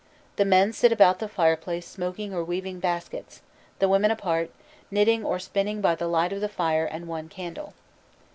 The men sit about the fireplace smoking or weaving baskets; the women apart, knitting or spinning by the light of the fire and one candle.